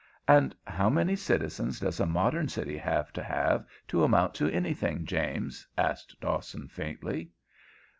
"And how many citizens does a modern city have to have, to amount to anything, James?" asked Dawson, faintly.